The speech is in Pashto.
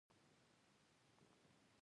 د ده قوم ته يې دروند تاوان ور واړاوه.